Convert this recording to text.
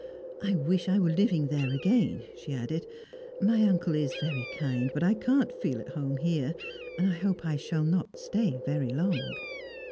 "I wish I were living there again," she added. "My uncle is very kind, but I can't feel at home here, and I hope I shall not stay very long."